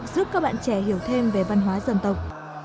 giúp các bạn trẻ hiểu thêm về văn hóa dân tộc